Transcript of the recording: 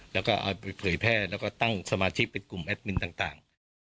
แล้วก็เอาไปเผยแพร่แล้วก็ตั้งสมาชิกเป็นกลุ่มแอดมินต่าง